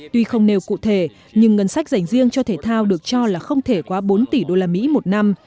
tuy không nêu cụ thể nhưng ngân sách dành riêng cho thể thao được cho là không thể quá bốn tỷ đô la mỹ một năm